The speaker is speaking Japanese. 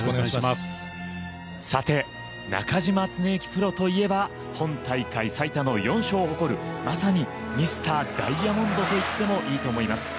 プロといえば本大会最多の４勝を誇るまさにミスターダイヤモンドと言ってもいいと思います。